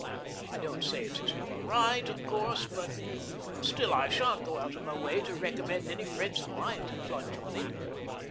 I don't say it isn't all right, of course, but still I shan't go out of my way to recommend any friends of mine to plunge on it."